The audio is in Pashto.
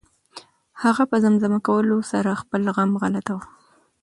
هغه په زمزمه کولو سره خپل غم غلطاوه.